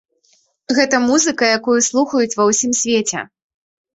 Гэта музыка, якую слухаюць ва ўсім свеце.